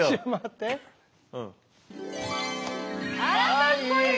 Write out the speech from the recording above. あらかっこいい。